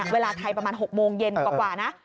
เวลาไทยประมาณ๖โมงเย็นกว่านะ